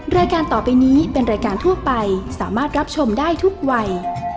รายการต่อไปนี้เป็นรายการทั่วไปสามารถรับชมได้ทุกวัย